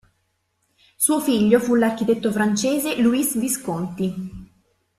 Suo figlio fu l'architetto francese Louis Visconti.